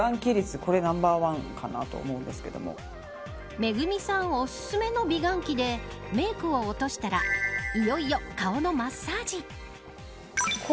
ＭＥＧＵＭＩさんおすすめの美顔器でメークを落としたらいよいよ、顔のマッサージ。